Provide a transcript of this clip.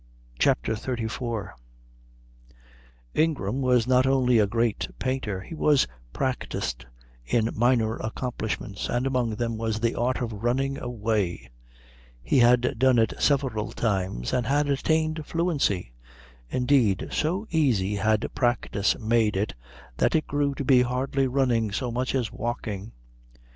CHAPTER XXXIV Ingram was not only a great painter, he was practised in minor accomplishments, and among them was the art of running away. He had done it several times and had attained fluency. Indeed, so easy had practice made it that it grew to be hardly running so much as walking.